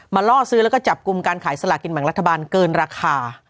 ล่อซื้อแล้วก็จับกลุ่มการขายสลากินแบ่งรัฐบาลเกินราคา